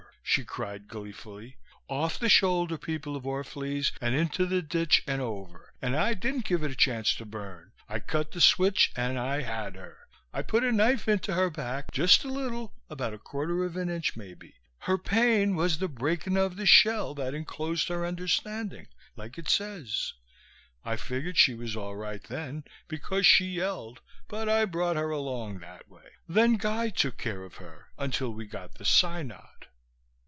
she cried gleefully. "Off the shoulder, people of Orph'lese, and into the ditch and over, and I didn't give it a chance to burn. I cut the switch and I had her! I put a knife into her back, just a little, about a quarter of an inch, maybe. Her pain was the breakin' of the shell that enclosed her understanding, like it says. I figured she was all right then because she yelled but I brought her along that way. Then Guy took care of her until we got the synod.